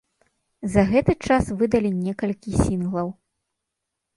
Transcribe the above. За гэты час выдалі некалькі сінглаў.